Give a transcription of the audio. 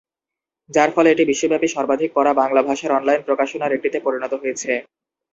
যার ফলে এটি বিশ্বব্যাপী সর্বাধিক পড়া বাংলা ভাষার অনলাইন প্রকাশনার একটিতে পরিণত হয়েছে।